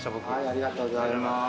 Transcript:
ありがとうございます。